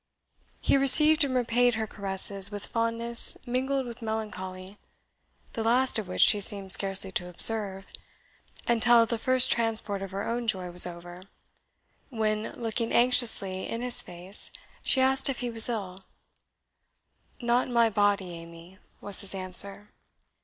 He received and repaid her caresses with fondness mingled with melancholy, the last of which she seemed scarcely to observe, until the first transport of her own joy was over, when, looking anxiously in his face, she asked if he was ill. "Not in my body, Amy," was his answer.